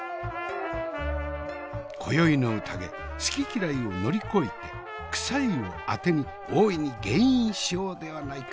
今宵の宴好き嫌いを乗り越えてクサいをあてに大いに鯨飲しようではないか。